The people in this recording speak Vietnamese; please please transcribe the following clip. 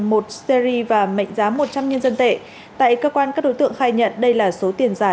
một stery và mệnh giá một trăm linh nhân dân tệ tại cơ quan các đối tượng khai nhận đây là số tiền giả